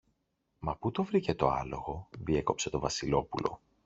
Μα πού το βρήκε το άλογο; διέκοψε το Βασιλόπουλο.